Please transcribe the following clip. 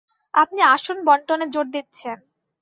আপনি আসন বণ্টনে জোর দিচ্ছেন।